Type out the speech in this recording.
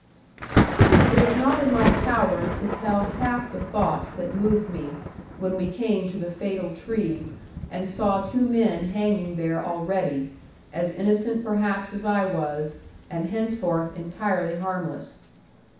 It is not in my power to tell half the thoughts that moved me, when we came to the fatal tree, and saw two men hanging there already, as innocent perhaps as I was, and henceforth entirely harmless.